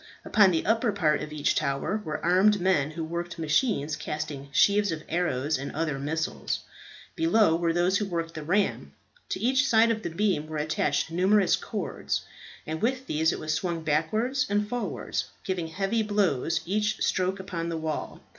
Upon the upper part of each tower were armed men who worked machines casting sheaves of arrows and other missiles. Below were those who worked the ram. To each side of the beam were attached numerous cords, and with these it was swung backwards and forwards, giving heavy blows each stroke upon the wall.